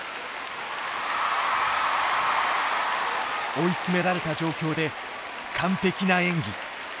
追い詰められた状況で完璧な演技。